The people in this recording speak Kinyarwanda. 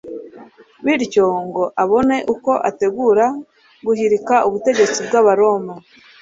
bityo ngo abone uko ategura guhirika ubutegetsi bw'Abaroma.